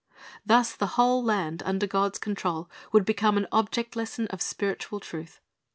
Thus the whole land, under God's control, would become an object lesson of spiritual truth.